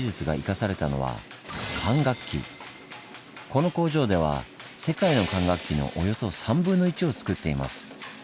この工場では世界の管楽器のおよそ３分の１をつくっています。